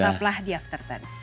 tunggaklah di after sepuluh